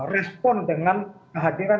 respon dengan kehadiran